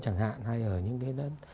chẳng hạn hay ở những cái